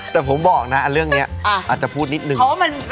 แต่ผมบอกน่ะอันเรื่องเนี้ยอ่ะอาจจะพูดนิดหนึ่งเพราะว่ามัน